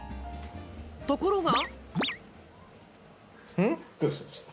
ところが。